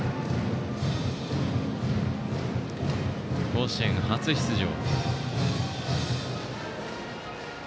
甲子園初出場。